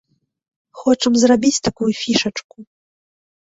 Хочам зрабіць такую фішачку.